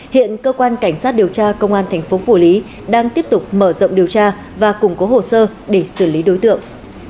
hiện cơ quan cảnh sát điều tra công an thành phố phủ lý đang tiếp tục mở rộng điều tra và củng cố hồ sơ để xử lý đối tượng